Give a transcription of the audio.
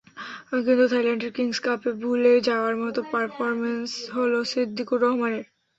কিন্তু থাইল্যান্ডের কিংস কাপে ভুলে যাওয়ার মতো পারফরম্যান্স হলো সিদ্দিকুর রহমানের।